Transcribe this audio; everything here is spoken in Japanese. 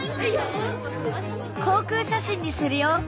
航空写真にするよ！